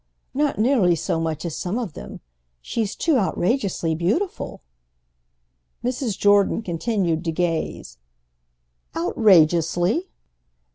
—not nearly so much as some of them. She's too outrageously beautiful." Mrs. Jordan continued to gaze. "Outrageously?"